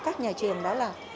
các nhà trường đó là